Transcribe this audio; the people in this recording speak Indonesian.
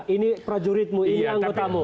ini prajuritmu ini anggotamu